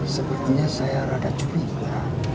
sepertinya saya rada curiga